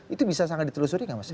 itu bisa sangat ditelusuri gak mas heru